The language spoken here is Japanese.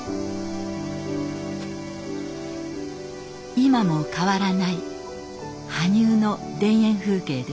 今も変わらない羽生の田園風景です。